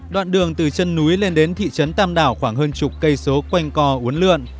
đoạn đường từ chân núi lên đến thị trấn tam đảo khoảng hơn chục cây số quanh co uốn lượn